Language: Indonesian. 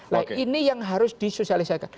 nah ini yang harus disosialisasikan